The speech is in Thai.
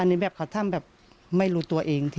เจ็ดตรง